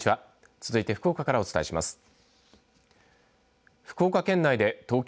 続いて福岡からお伝えします。